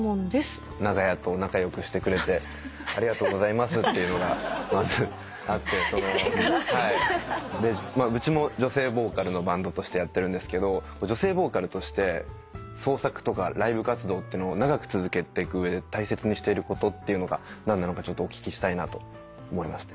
長屋と仲良くしてくれてありがとうございますっていうのがまずあってうちも女性ボーカルのバンドとしてやってるんですけど女性ボーカルとして創作とかライブ活動ってのを長く続けていく上で大切にしていることっていうのが何なのかお聞きしたいなと思いまして。